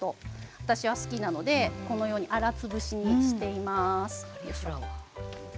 私は好きなのでこのように粗潰しにしています。